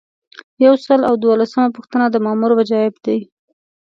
یو سل او دولسمه پوښتنه د مامور وجایب دي.